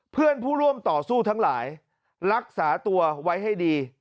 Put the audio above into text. เพื่อนผู้ร่วมต่อสู้ทั้งหลายรักษาตัวไว้ให้ดี